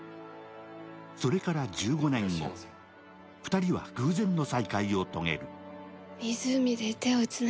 それから１５年後、２人は偶然の再会を遂げる。